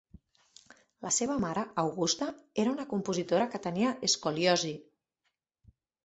La seva mare, Augusta, era una compositora que tenia escoliosi.